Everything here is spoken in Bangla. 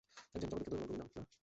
একজন জগৎবিখ্যাত রোমান কবির নাম, না?